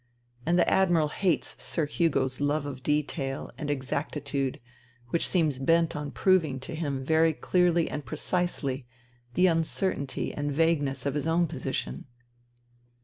And the Admiral hates Sir Hugo's love of detail and exacti tude which seems bent on proving to him very clearly and precisely the uncertainty and vagueness of his own position."